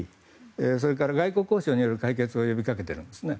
それから外国交渉による解決を呼びかけているんですね。